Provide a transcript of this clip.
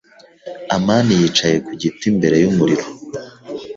amani yicaye ku giti imbere y’umuriro.